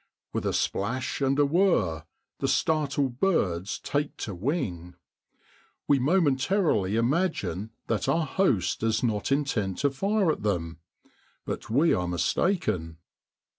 With a splash and a whirr, the startled birds take to wing. We momentarily imagine that our host does not in tend to fire at them, but we are mistaken.